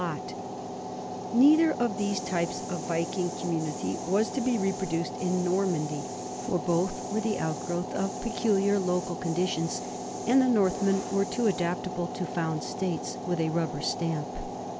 44 NORMANS IN EUROPEAN HISTORY Neither of these types of Viking community was to be reproduced in Normandy, for both were the outgrowth of peculiar local conditions, and the Northmen were too adaptable to found states with a rubber stamp.